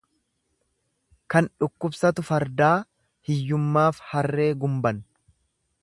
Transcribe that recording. Kan dhukkubsatu fardaa hiyyummaaf harree gumban.